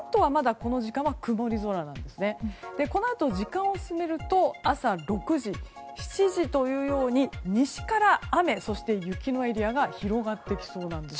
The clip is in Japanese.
このあと時間を進めると朝６時、７時というように西から雨、雪のエリアが広がってきそうなんです。